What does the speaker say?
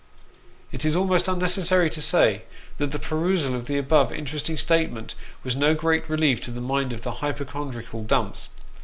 It is almost unnecessary to say that the perusal of the above in teresting statement was no great relief to the mind of the hypochon driacal Dumps.